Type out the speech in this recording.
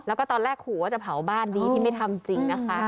แล้วก็ตอนแรกขู่ว่าจะเผาบ้านดีที่ไม่ทำจริงนะคะ